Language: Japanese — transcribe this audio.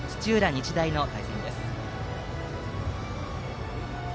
日大の対戦です。